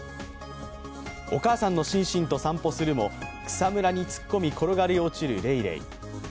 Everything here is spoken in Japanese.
お母さんのシンシンと散歩するも草むらに突っ込み転がり落ちるレイレイ。